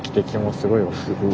すごい。えすごい。